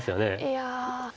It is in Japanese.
いや。